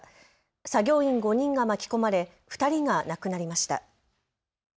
作業員５人が巻き込まれ２人が亡くなりました。